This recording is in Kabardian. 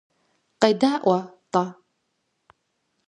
КъедаӀуэ-тӀэ.